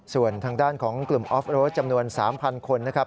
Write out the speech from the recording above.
ส่วนทางด้านของกลุ่มออฟโรดจำนวน๓๐๐คนนะครับ